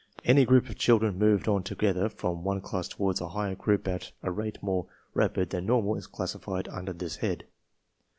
Any group of children moved on together from one class toward a higher group at a rate more rapid than normal is classified under this head.